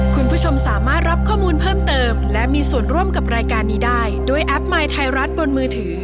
คุณล่ะโหลดแล้วยัง